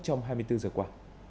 trong hai mươi bốn giờ qua